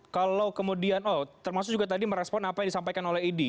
kalau kemudian oh termasuk juga tadi merespon apa yang disampaikan oleh idi